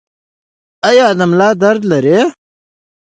ایا د ملا درد لرئ؟